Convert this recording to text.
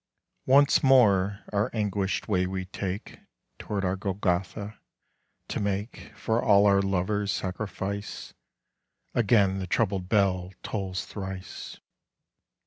Once more our anguished way we take Toward our Golgotha, to make For all our lovers sacrifice. Again the troubled bell tolls thrice.